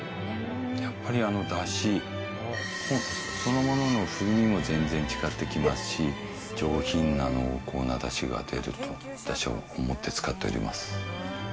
やっぱりあのだし、そのものの風味も全然違ってきますし、上品な、濃厚なだしが出ると私は思って使ってます。